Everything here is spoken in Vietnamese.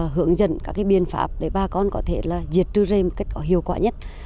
hưởng dẫn các biện pháp để ba con có thể diệt trừ dây hiệu quả nhất